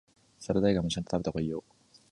サラダ以外もちゃんと食べた方がいいよ